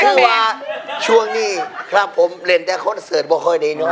คือว่าช่วงนี้ครับผมเล่นแต่คอนเสิร์ตบ่อยในน้อง